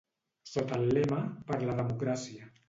Sota el lema Per la democràcia.